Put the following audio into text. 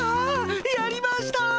やりました！